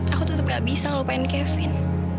aku tetep nggak bisa ngelupain kevin